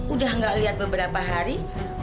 udah gak lihat beberapa hari